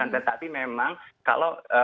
tetapi memang kalau